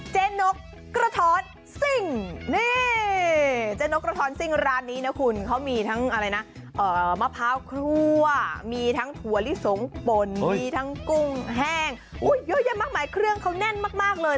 เจ๊นกกระท้อนซิ่งนี่เจ๊นกกระท้อนซิ่งร้านนี้นะคุณเขามีทั้งอะไรนะมะพร้าวครัวมีทั้งถั่วลิสงป่นมีทั้งกุ้งแห้งเยอะแยะมากมายเครื่องเขาแน่นมากเลย